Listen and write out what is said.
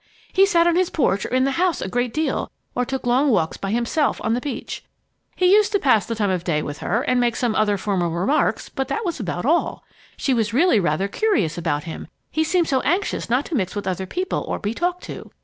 He sat on his porch or in the house a great deal, or took long walks by himself on the beach. He used to pass the time of day with her, and make some other formal remarks, but that was about all. She was really rather curious about him, he seemed so anxious not to mix with other people or be talked to.